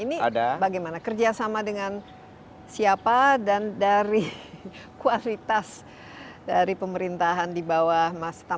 ini bagaimana kerjasama dengan siapa dan dari kualitas dari pemerintahan di bawah mas tamr